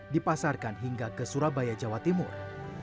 dipasarkan hingga ke surabaya jawa timur